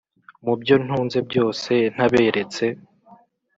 mu byo ntunze byose ntaberetse.